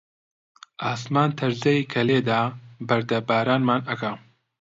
ئاسمان تەرزەی کە لێدا، بەردەبارانمان ئەکا